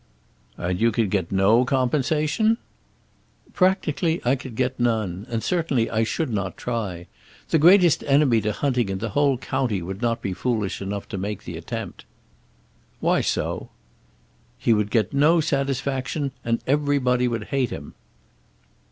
"And you could get no compensation?" "Practically I could get none. And certainly I should not try. The greatest enemy to hunting in the whole county would not be foolish enough to make the attempt." "Why so?" "He would get no satisfaction, and everybody would hate him."